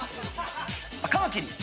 カマキリ！